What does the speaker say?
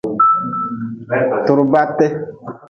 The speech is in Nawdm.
Turbate.